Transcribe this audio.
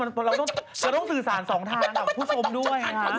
เราต้องสื่อสารสองทางกับผู้ชมด้วย